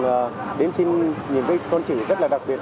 thường đến xin những con chữ rất là đặc biệt